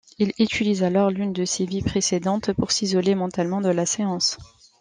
Il utilise alors l'une de ses vies précédentes pour s'isoler mentalement de la séance.